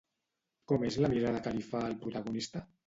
Com és la mirada que li fa al protagonista?